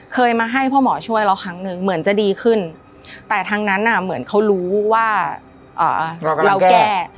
เคยมาให้พ่อหมอช่วยแล้วครั้งหนึ่งเหมือนจะดีขึ้นแต่ทั้งนั้นเหมือนเขารู้ว่าเราแก้